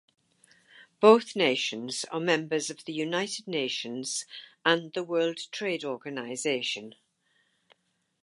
Both nations are members of the United Nations and the World Trade Organization.